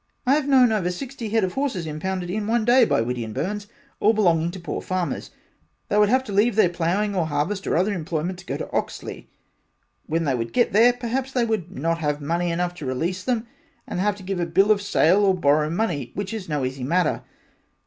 I have known over 60 head of horses impounded in one day by Whitty and Burns all belonging to poor farmers they would have to leave their ploughing or harvest or other employment to go to Oxley. When they would get there perhaps not have money enough to release them and have to give a bill of sale or borrow the money which is no easy matter.